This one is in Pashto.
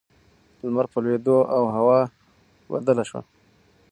لمر په لوېدو و او هوا بدله شوه.